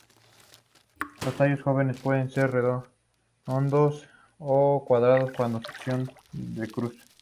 Los tallos jóvenes pueden ser redondos o cuadrados en sección de cruz.